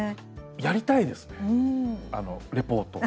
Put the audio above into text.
やりたいですねリポート。